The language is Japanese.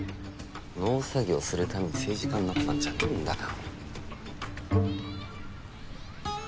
農作業する為に政治家になったんじゃねぇんだよ。